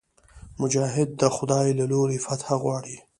مجاهد د خدای له لورې فتحه غواړي.